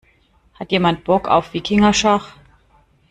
Hat jemand Bock auf Wikingerschach?